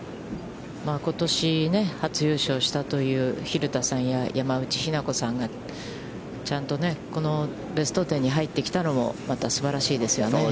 ことし初優勝したという蛭田さんや山内日菜子さんが、ちゃんとこのベスト１０に入ってきたのもまた、すばらしいですよね。